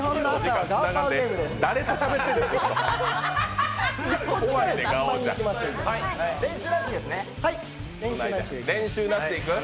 誰としゃべってんねん。